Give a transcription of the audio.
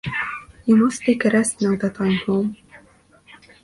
You must take a rest, now that I’m home.